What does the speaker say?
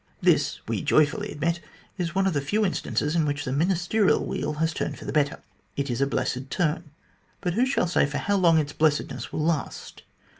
"This, we joyfully admit, is one of the few instances in which the Ministerial wheel was turned for the better. It is a blessed turn. But "who shall say how long its blessedness will last?